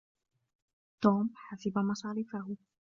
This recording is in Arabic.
توم حسب مصاريفَهُ.